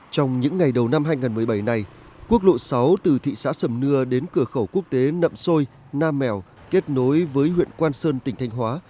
trong những ngày đầu năm hai nghìn một mươi bảy này quốc lộ sáu từ thị xã sầm nưa đến cửa khẩu quốc tế nậm xôi nam mèo kết nối với huyện quan sơn tỉnh thanh hóa